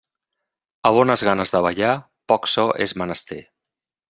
A bones ganes de ballar, poc so és menester.